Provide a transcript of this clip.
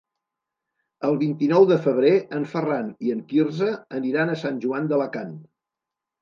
El vint-i-nou de febrer en Ferran i en Quirze aniran a Sant Joan d'Alacant.